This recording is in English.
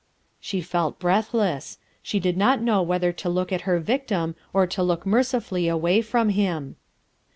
She felt breathless. She did not know whether to look at her victim or to look merci fully away from him.